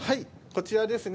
こちらですね。